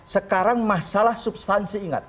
sekarang masalah substansi ingat